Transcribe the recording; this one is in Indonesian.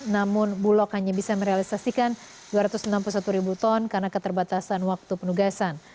namun bulog hanya bisa merealisasikan dua ratus enam puluh satu ribu ton karena keterbatasan waktu penugasan